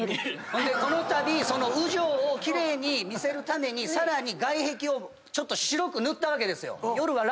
ほんでこのたびその烏城を奇麗に見せるためにさらに外壁をちょっと白く塗ったわけですよ。